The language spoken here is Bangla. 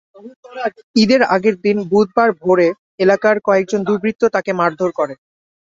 ঈদের আগের দিন বুধবার ভোরে এলাকার কয়েকজন দুর্বৃত্ত তাঁকে মারধর করে।